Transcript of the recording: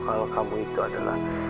kalo kamu itu adalah